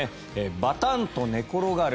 バタンと寝転がる